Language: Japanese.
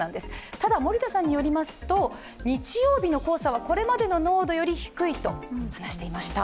ただ、森田さんによりますと、日曜日の黄砂はこれまでの濃度より低いと話していました。